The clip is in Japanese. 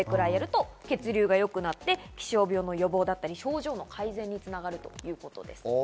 血流が良くなって気象病の予防だったり症状の改善に繋がるということです。